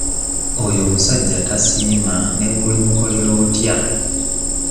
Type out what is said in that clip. Oyo omusajja tasiima ne bw'olimukolera otya.